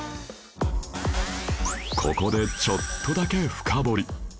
ここでちょっとだけ深掘り